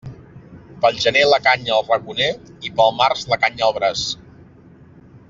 Pel gener la canya al raconer i pel març la canya al braç.